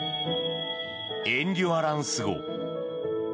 「エンデュアランス号」。